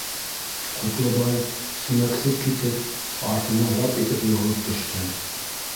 Ҡотлобай, сүмәксеп китеп, артына лап итеп йығылып төштө.